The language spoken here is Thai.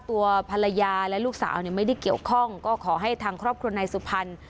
ตัวภรรยาและลูกสาวเนี่ยไม่ได้เกี่ยวข้องก็ขอให้ทางครอบครัวนายสุพรรณ